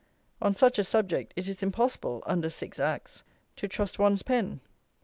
On such a subject it is impossible (under Six Acts) to trust one's pen!